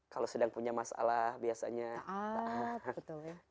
kalau sedang punya masalah biasanya